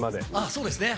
そうですね。